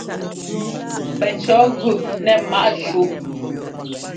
Pɛcɔ̌ gʉ nɛ ḿmaꞌ shú.